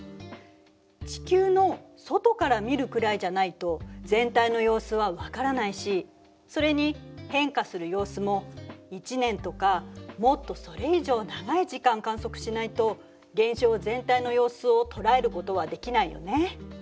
地球の外から見るくらいじゃないと全体の様子は分からないしそれに変化する様子も１年とかもっとそれ以上長い時間観測しないと現象全体の様子を捉えることはできないよね。